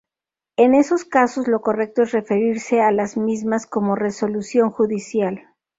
En esos casos lo correcto es referirse a las mismas como "resolución judicial".